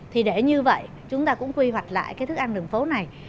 thì để như vậy chúng ta cũng quy hoạch lại cái thức ăn đường phố này